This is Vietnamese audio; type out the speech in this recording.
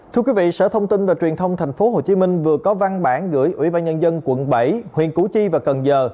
thưa quý vị sở thông tin và truyền thông tp hcm vừa có văn bản gửi ủy ban nhân dân quận bảy huyện củ chi và cần giờ